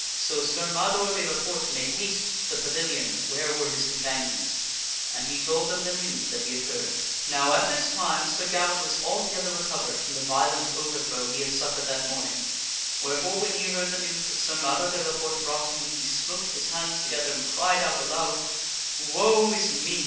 So Sir Mador de la Porte made haste to the pavilion where were his companions, and he told them the news that he had heard. Now at this time Sir Gawaine was altogether recovered from the violent overthrow he had suffered that morning, wherefore when he heard the news that Sir Mador de la Porte brought to him, he smote his hands together and cried out aloud, " Woe is me